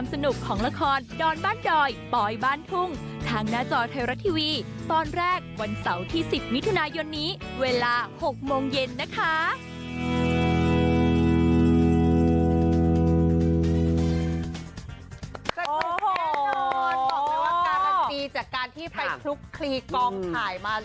สุดแหละดอนบอกเลยว่าการการตีจากการที่ไปคลุกคลีกองถ่ายมา